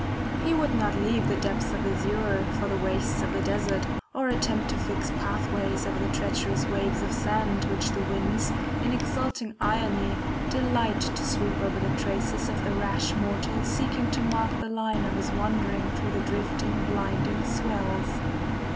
He would not leave the depths of azure for the wastes of the desert, or attempt to fix pathways over the treacherous waves of sand, which the winds, in exulting irony, delight to sweep over the traces of the rash mortal seeking to mark the line of his wandering through the drifting, blinding swells.